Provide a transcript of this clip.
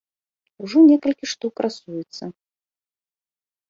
Ужо некалькі штук красуецца.